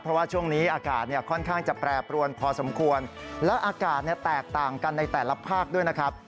เพราะว่าช่วงนี้อากาศเนี่ยค่อนข้างจะแปรปรวนพอสมควรและอากาศแตกต่างกันในแต่ละภาคด้วยนะครับ